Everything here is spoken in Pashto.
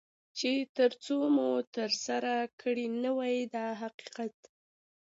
چې تر څو مو ترسره کړي نه وي دا حقیقت دی.